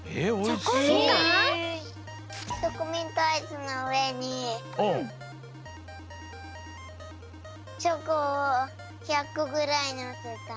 チョコミントアイスのうえにチョコを１００こぐらいのせた。